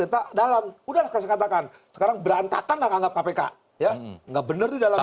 tidak benar di dalam